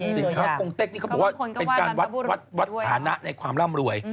สินค้ากงเต็กนี่เขาบอกว่าเป็นการวัดฐานะในความร่ำรวย